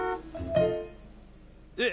えっ？